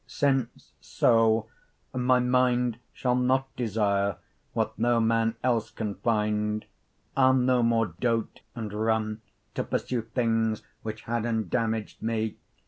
30 Since so, my minde Shall not desire what no man else can finde, I'll no more dote and runne To pursue things which had indammag'd me.